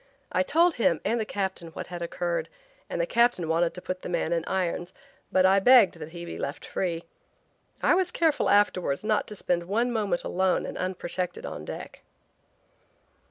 I told him and the captain what had occurred and the captain wanted to put the man in irons but I begged that he be left free. I was careful afterwards not to spend one moment alone and unprotected on deck.